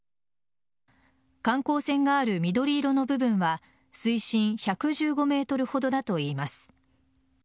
観光船がある緑色の部分は水深１１５ｍほどだといいます。